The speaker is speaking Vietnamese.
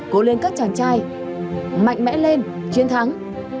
cố lên các chàng trai mạnh mẽ lên chiến thắng